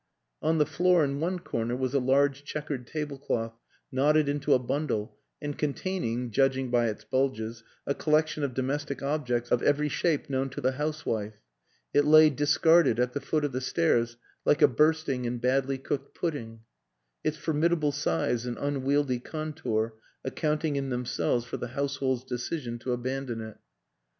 On the floor in one corner was a large checkered table cloth knotted into a bundle and containing, judg ing by its bulges, a collection of domestic objects of every shape known to the housewife. It lay discarded at the foot of the stairs like a bursting and badly cooked pudding; its formidable size and unwieldy contour accounting in themselves for the household's decision to abandon it.